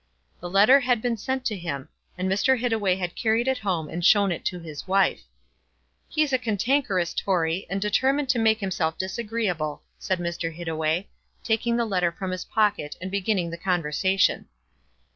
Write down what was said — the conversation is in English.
The letter had been sent to him; and Mr. Hittaway had carried it home and shown it to his wife. "He's a cantankerous Tory, and determined to make himself disagreeable," said Mr. Hittaway, taking the letter from his pocket and beginning the conversation.